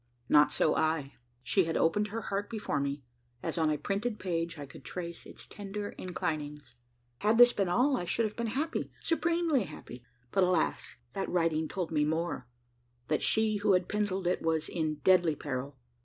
Not so I. She had opened her heart before me. As on a printed page, I could trace its tender inclinings. Had this been all, I should have been happy supremely happy. But, alas! that writing told me more: that she who had pencilled it was in deadly peril.